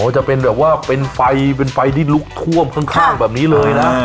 จะเป็นแบบว่าเป็นไฟเป็นไฟที่ลุกท่วมข้างแบบนี้เลยนะ